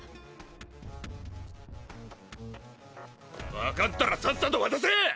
分かったらさっさと渡せ！